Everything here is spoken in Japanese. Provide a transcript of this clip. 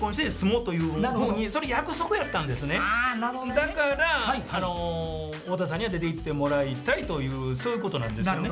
だから太田さんには出ていってもらいたいというそういうことなんですよね。